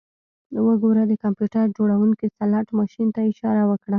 وګوره د کمپیوټر جوړونکي سلاټ ماشین ته اشاره وکړه